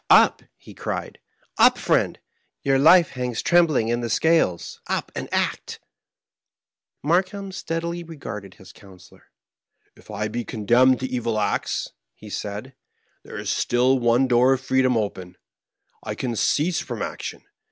Up I " he cried ;" up, friend ; your life hangs trembling in the scales : up, and act 1 " Markheira steadily regarded his counselor. " If I be condemned to evil acts," he said, '^ there is still one door of freedom open — I can cease from action.